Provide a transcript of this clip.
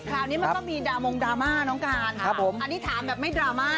คราวนี้มันก็มีดามงดราม่าน้องการครับผมอันนี้ถามแบบไม่ดราม่า